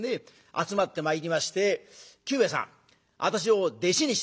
集まってまいりまして「久兵衛さん私を弟子にして下さい。